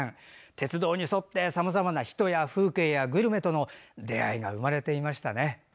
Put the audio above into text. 鉄道に沿ってさまざまな人や風景やグルメとの出会いが生まれていましたね。